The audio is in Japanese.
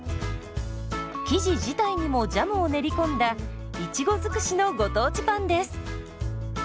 生地自体にもジャムを練り込んだいちご尽くしのご当地パンです。